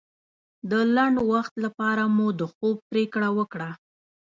د لنډ وخت لپاره مو د خوب پرېکړه وکړه.